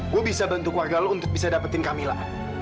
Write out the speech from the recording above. gue bisa bantu keluarga lo untuk bisa dapetin camilla